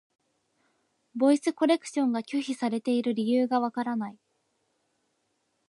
ボイスコレクションが拒否されている理由がわからない。